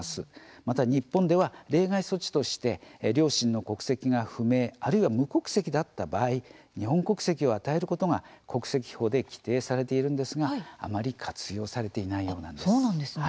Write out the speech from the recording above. また、日本では例外措置として両親の国籍が不明あるいは無国籍だった場合日本国籍を与えることが国籍法で規定されているんですがあまり活用されていないようなんです。